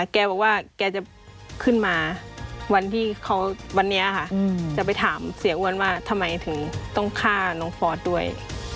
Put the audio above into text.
แกบอกว่าแกจะขึ้นมาวันที่เขาวันนี้ค่ะจะไปถามเสียอ้วนว่าทำไมถึงต้องฆ่าน้องฟอสด้วย